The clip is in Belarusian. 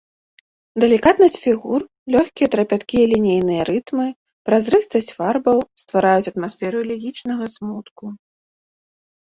Далікатнасць фігур, лёгкія трапяткія лінейныя рытмы, празрыстасць фарбаў ствараюць атмасферу элегічнага смутку.